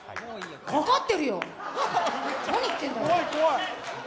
かかってるよ、何言ってるんだよ。